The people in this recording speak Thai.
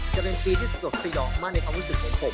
จะเป็นปีที่สวบสยองมากในธรรมศิกของผม